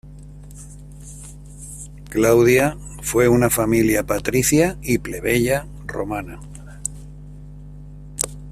Claudia fue una familia patricia y plebeya romana.